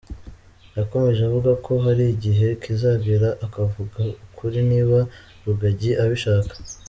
Yakomeje avuga ko hari igihe kizagera akavuga ukuri niba Rugagi abishaka.